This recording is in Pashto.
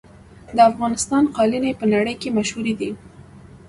د افغانستان قالینې په نړۍ کې مشهورې دي.